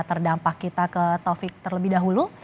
terdampak kita ke taufik terlebih dahulu